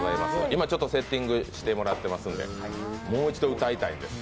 今、セッティングしてもらってますんで、もう一度歌いたいみたいです